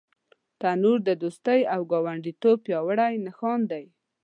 تنور د دوستۍ او ګاونډیتوب پیاوړی نښان دی